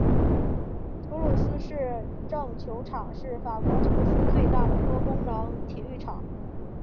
土鲁斯市政球场是法国土鲁斯最大的多功能体育场。